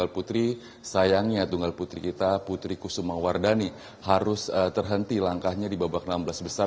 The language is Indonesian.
putri sayangnya tunggal putri kita putri kusuma wardani harus terhenti langkahnya di babak enam belas besar